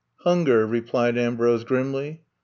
Hunger," replied Ambrose grimly.